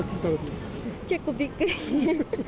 結構びっくり。